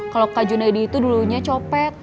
kalau kak junaidi itu dulunya copet